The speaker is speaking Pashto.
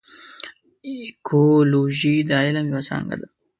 اکولوژي د علم یوه څانګه ده.